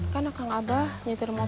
kan kakak abah nyetir motornya